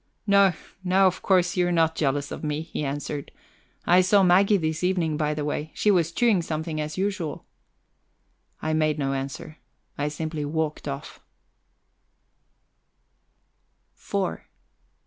"No, no, of course you're not jealous of me," he answered. "I saw Maggie this evening, by the way. She was chewing something, as usual." I made no answer; I simply walked off.